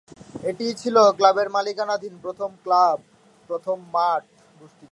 এটিই ছিল ক্লাবের মালিকানাধীন প্রথম মাঠ।